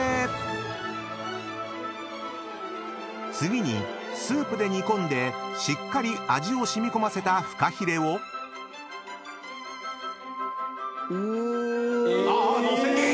［次にスープで煮込んでしっかり味を染み込ませたフカヒレを］え⁉載せていく！